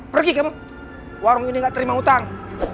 pergi ke warung ini gak terima utang